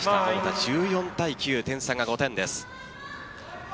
１４対９、点差が５点です。